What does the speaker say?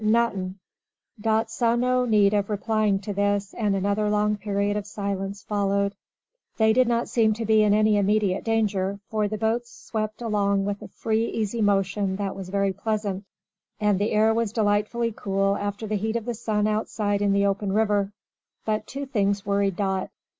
"Nuthin'." Dot saw no need of replying to this, and another long period of silence followed. They did not seem to be in any immediate danger, for the boat swept along with a free, easy motion that was very pleasant, and the air was delightfully cool after the heat of the sun outside in the open river. But two things worried Dot.